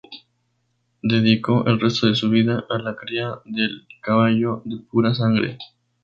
Dedicó el resto de su vida a la cría del caballo de pura sangre.